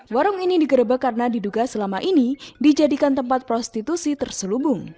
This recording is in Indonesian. warung ini digerebek karena diduga selama ini dijadikan tempat prostitusi terselubung